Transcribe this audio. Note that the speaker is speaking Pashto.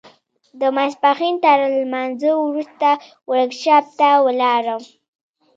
د ماسپښين تر لمانځه وروسته ورکشاپ ته ولاړم.